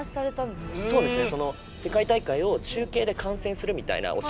そうですね。